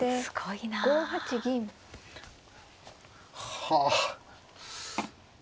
はあ。